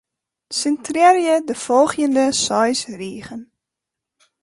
Sintrearje de folgjende seis rigen.